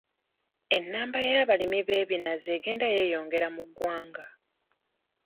Ennamba y'abalimu b'ebinazi egenda yeeyongera mu ggwanga.